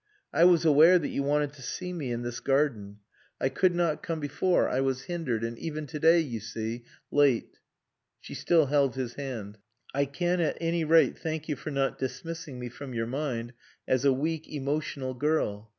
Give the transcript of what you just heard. I was aware that you wanted to see me in this garden. I could not come before. I was hindered. And even to day, you see...late." She still held his hand. "I can, at any rate, thank you for not dismissing me from your mind as a weak, emotional girl.